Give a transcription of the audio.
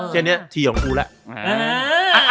แค่เนี่ยทีของกูแหละ